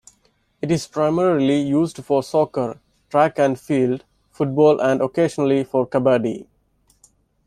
It is primarily used for soccer, track and field, football and occasionally for kabbadi.